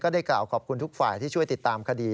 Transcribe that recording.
ได้กล่าวขอบคุณทุกฝ่ายที่ช่วยติดตามคดี